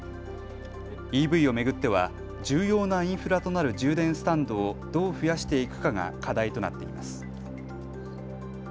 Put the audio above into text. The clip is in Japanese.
ＥＶを巡っては重要なインフラとなる充電スタンドをどう増やしていくかが課題となっています。